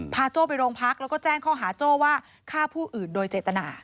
โจ้ไปโรงพักแล้วก็แจ้งข้อหาโจ้ว่าฆ่าผู้อื่นโดยเจตนา